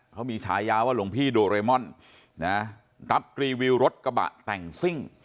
เขามีฉายาว่าหลวงพี่โดเรมอนนะรับรีวิวรถกระบะแต่งซิ่ง